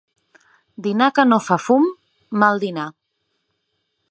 Dinar que no fa fum, mal dinar.